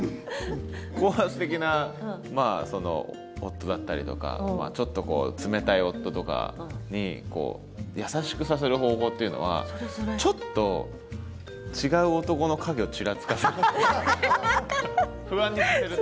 高圧的な夫だったりとかちょっとこう冷たい夫とかに優しくさせる方法っていうのはちょっと不安にさせると。